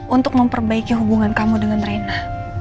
untuk memperbaiki hubungan kamu dengan reina